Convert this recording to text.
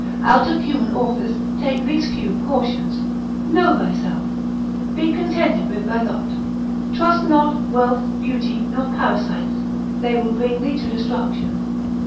Out of human authors take these few cautions, know thyself. Be contented with thy lot. Trust not wealth, beauty, nor parasites, they will bring thee to destruction.